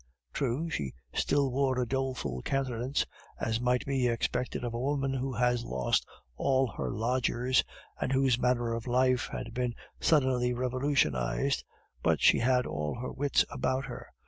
True, she still wore a doleful countenance, as might be expected of a woman who had lost all her lodgers, and whose manner of life had been suddenly revolutionized, but she had all her wits about her.